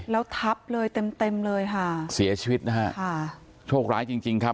แล้วทับเลยเต็มเต็มเลยค่ะเสียชีวิตนะฮะค่ะโชคร้ายจริงจริงครับ